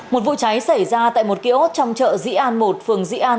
một vụ cháy xảy ra tại một kiosk trong chợ dĩ an một phường dĩ an